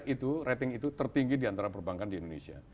enam puluh tiga itu rating itu tertinggi diantara perbankan di indonesia